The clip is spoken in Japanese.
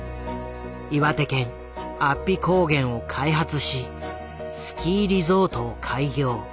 岩手県安比高原を開発しスキーリゾートを開業。